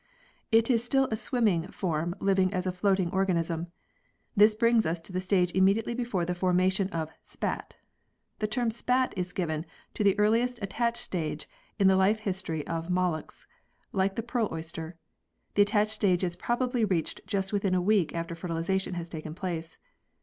It is still a swimming form living as a floating organism. This brings us to the stage immediately before the formation of "spat." The term "spat" is given to the earliest attached stage in the life history of molluscs like the pearl oyster. The attached stage is probably reached just within a week after fertilisation has taken place.